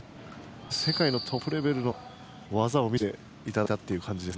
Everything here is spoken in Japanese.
世界のトップレベルの技を見せていただいたという感じです。